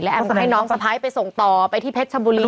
แอมก็ให้น้องสะพ้ายไปส่งต่อไปที่เพชรชบุรี